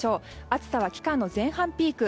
暑さは期間の前半ピーク。